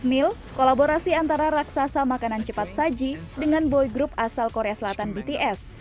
mill kolaborasi antara raksasa makanan cepat saji dengan boy group asal korea selatan bts